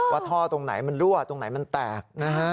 ว่าท่อตรงไหนมันรั่วตรงไหนมันแตกนะฮะ